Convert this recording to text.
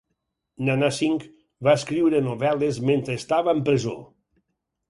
Nanak Singh va escriure novel·les mentre estava en presó.